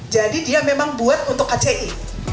jadi dia memang buat untuk kci